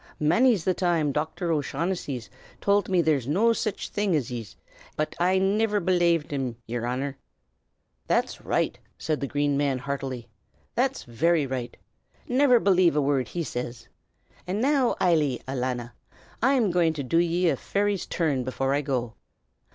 Manny's the time Docthor O'Shaughnessy's tell't me there was no sich thing as yez; but I niver belaved him, yer Honor!" "That's right!" said the Green Man, heartily, "that's very right. Never believe a word he says! And now, Eily, alanna, I'm going to do ye a fairy's turn before I go.